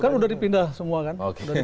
kan udah dipindah semua kan